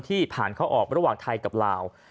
ผ่านเข้าออกระหว่างไทยกับลาว